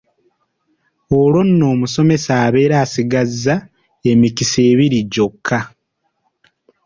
Olwo nno omusomesa abeera asigazza emikisa ebiri gyokka.